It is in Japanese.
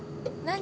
何？